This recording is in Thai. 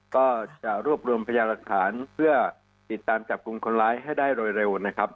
ก็จะรวบรวมพยาหลักฐานเพื่อติดตามจับกลุ่มคนร้ายให้ได้โดยเร็วนะครับ